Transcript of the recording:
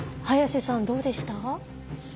早瀬さん、どうでした？